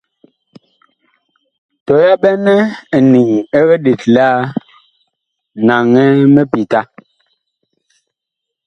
Tɔ yaɓɛnɛ eniŋ ɛg let laa, naŋɛ mipita.